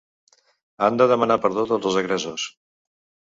Han de demanar perdó tots els agressors